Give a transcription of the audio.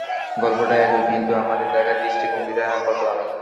গল্পটা একই, কিন্তু আমাদের দেখার দৃষ্টিভঙ্গিটা কতো আলাদা!